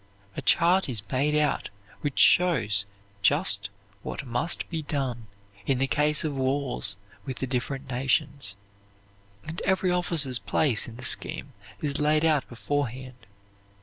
A chart is made out which shows just what must be done in the case of wars with the different nations, and every officer's place in the scheme is laid out beforehand.